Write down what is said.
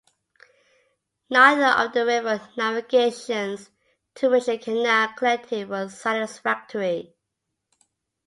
Neither of the river navigations to which the canal connected were satisfactory.